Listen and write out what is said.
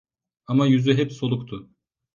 Ama yüzü hep soluktu.